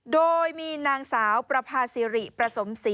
โดยมีนางสาวประพาซิริประสมศรี